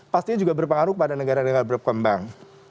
pastinya juga berpengaruh pada negara negara berkembang